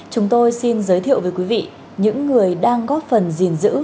chúng tôi xin giới thiệu với quý vị những người đang góp phần gìn giữ